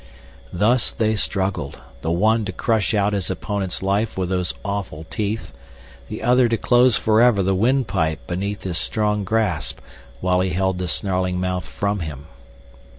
Thus they struggled, the one to crush out his opponent's life with those awful teeth, the other to close forever the windpipe beneath his strong grasp while he held the snarling mouth from him.